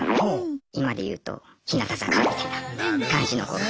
今で言うと日向坂みたいな感じの子が。